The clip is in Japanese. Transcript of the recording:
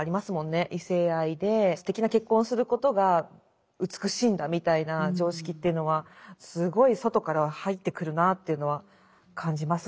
異性愛ですてきな結婚をすることが美しいんだみたいな常識というのはすごい外からは入ってくるなというのは感じますね。